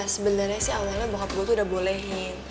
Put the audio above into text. sebenernya sih awalnya bokap gue tuh udah bolehin